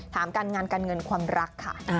ถามการงานการเงินความรักค่ะ